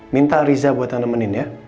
minta riza buat temenin ya